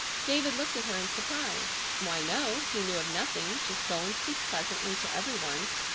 David looked at her in surprise. Why, no! He knew of nothing. Just go and speak pleasantly to every one.